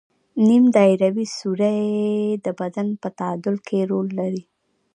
نیم دایروي سوري د بدن په تعادل کې رول لري.